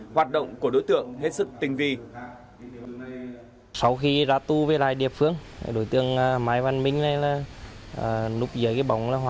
hoạt động của đối tượng hết sức tinh vi